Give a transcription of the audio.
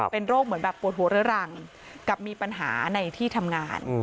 เป็นโรคเหมือนแบบปวดหัวเรื้อรังกับมีปัญหาในที่ทำงาน